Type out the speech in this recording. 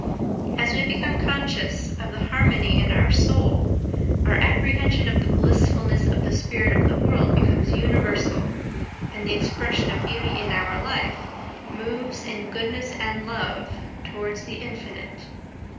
As we become conscious of the harmony in our soul, our apprehension of the blissfulness of the spirit of the world becomes universal, and the expression of beauty in our life moves in goodness and love towards the infinite.